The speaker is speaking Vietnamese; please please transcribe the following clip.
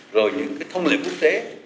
rồi những thông liệu quốc tế